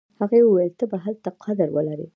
هغې ویل چې ته به هلته قدر ولرې